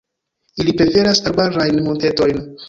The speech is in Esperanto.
Ili preferas arbarajn montetojn.